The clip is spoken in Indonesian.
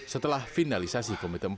setelah finalisasi komite empat